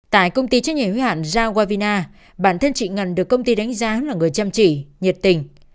tại công ty trách nhiệm huy hạn rau wavina bản thân chị ngân được công ty đánh giá là người chăm chỉ nhiệt tình